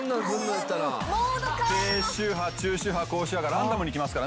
低周波中周波高周波がランダムにきますからね。